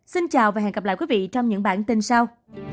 xin chào và hẹn gặp lại quý vị trong những bản tin sau